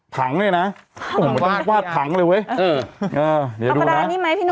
ถังเนี้ยน่ะถังต้องวาดถังเลยเว้ยเออเออเดี๋ยวดูน่ะปรากฎานี้ไหมพี่หนู